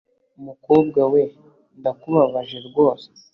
mukobwa we, ndakubabaje rwose